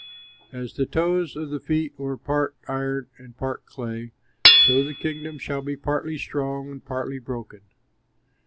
As the toes of the feet were part iron and part clay, so the kingdom shall be partly strong and partly broken.